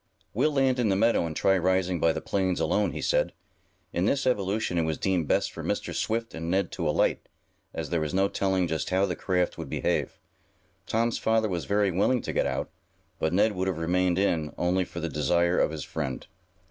"We'll land in the meadow and try rising by the planes alone," he said. In this evolution it was deemed best for Mr. Swift and Ned to alight, as there was no telling just how the craft would behave. Tom's father was very willing to get out, but Ned would have remained in, only for the desire of his friend.